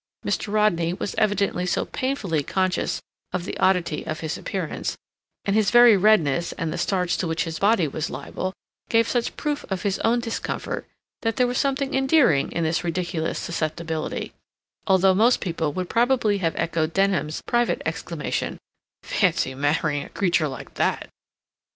Mr. Rodney was evidently so painfully conscious of the oddity of his appearance, and his very redness and the starts to which his body was liable gave such proof of his own discomfort, that there was something endearing in this ridiculous susceptibility, although most people would probably have echoed Denham's private exclamation, "Fancy marrying a creature like that!"